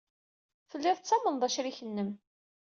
Tellid tettamned acrik-nnem.